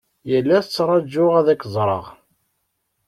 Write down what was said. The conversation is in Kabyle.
Yal ass tṛajuɣ ad ak-ẓreɣ.